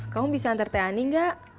kamu bisa antar teani enggak